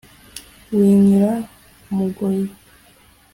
winyira m ugoyi